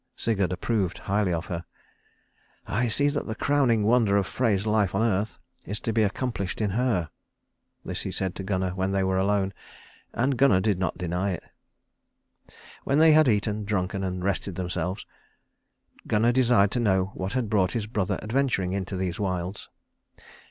Sigurd approved highly of her, and "I see that the crowning wonder of Frey's life on earth is to be accomplished in her." This he said to Gunnar when they were alone, and Gunnar did not deny it. When they had eaten, drunken and rested themselves, Gunnar desired to know what had brought his brother adventuring into these wilds.